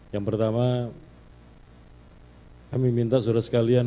yang pertama kami minta saudara sekalian